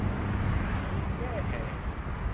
ลิงแก้แห